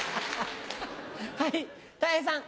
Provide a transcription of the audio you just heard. はいたい平さん。